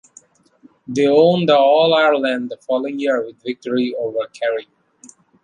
They won the All-Ireland the following year with victory over Kerry.